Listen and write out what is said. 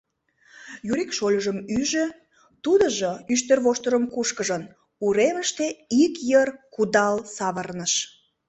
— Юрик шольыжым ӱжӧ, тудыжо, ӱштервоштырым кушкыжын, уремыште ик йыр «кудал» савырныш.